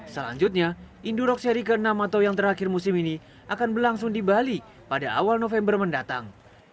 selanjutnya indurox seri ke enam atau yang terakhir musim ini akan berlangsung di bali pada awal november mendatang